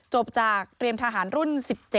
จบจากเตรียมทหารรุ่น๑๗